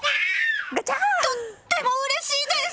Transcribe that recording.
とってもうれしいです！